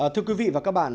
thưa quý vị và các bạn